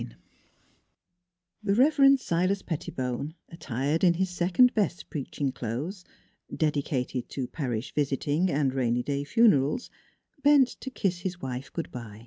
IX THE Reverend Silas Pettibone, attired in his second best preaching clothes dedicated to parish visiting and rainy day funerals bent to kiss his wife good by.